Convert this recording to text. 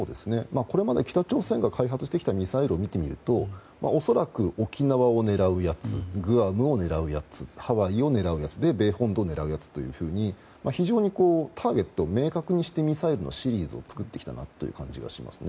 これまで北朝鮮が開発したミサイルを見ると恐らく、沖縄を狙うやつグアムを狙うやつハワイを狙うやつ米本部を狙うやつというふうに非常にターゲットを明確にしてミサイルのシリーズを作ってきた感じがします。